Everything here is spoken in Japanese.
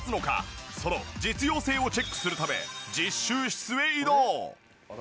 その実用性をチェックするため実習室へ移動。